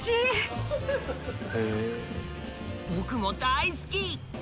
僕も大好き！